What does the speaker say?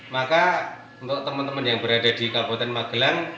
maka untuk teman teman yang berada di kabupaten magelang